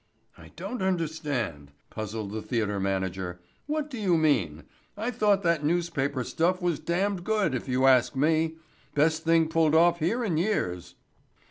"I don't understand," puzzled the theatre manager. "What do you mean? I thought that newspaper stuff was damned good, if you ask me. Best thing pulled off here in years."